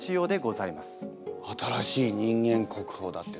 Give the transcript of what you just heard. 新しい人間国宝だって。